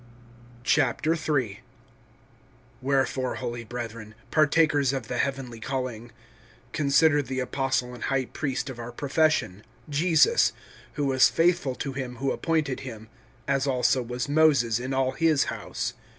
III. WHEREFORE, holy brethren, partakers of the heavenly calling, consider the Apostle and High Priest of our profession, Jesus, (2)who was faithful to him who appointed him, as also was Moses in all His house.